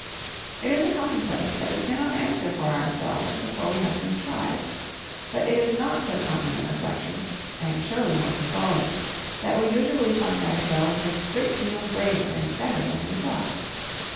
It is a commonplace, that we cannot answer for ourselves before we have been tried. But it is not so common a reflection, and surely more consoling, that we usually find ourselves a great deal braver and better than we thought.